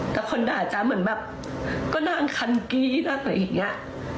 แต่คนด่าจ๊ะเหมือนแบบก็นั่งคันกรี๊ดนั่งอะไรอย่างนี้